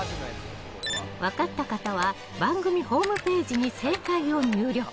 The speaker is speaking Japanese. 分かった方は番組ホームページに正解を入力。